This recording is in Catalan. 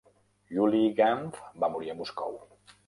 Yuliy Ganf va morir a Moscou.